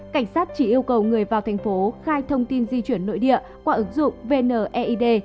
cảnh sát chỉ yêu cầu người vào thành phố khai thông tin di chuyển nội địa qua ứng dụng vneid